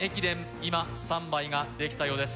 今スタンバイができたようです